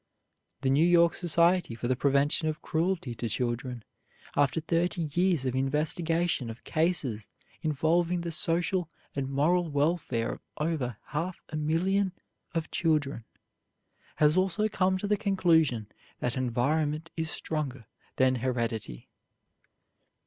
The New York Society for the Prevention of Cruelty to Children, after thirty years of investigation of cases involving the social and moral welfare of over half a million of children, has also come to the conclusion that environment is stronger than heredity.